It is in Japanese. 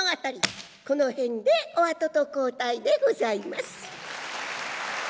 この辺でお後と交代でございます。